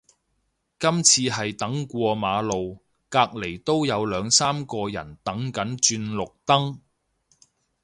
今次係等過馬路，隔離都有兩三個人等緊轉綠燈